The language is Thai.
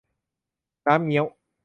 น้ำเงี้ยว